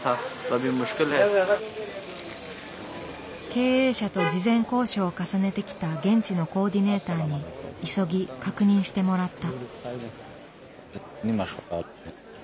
経営者と事前交渉を重ねてきた現地のコーディネーターに急ぎ確認してもらった。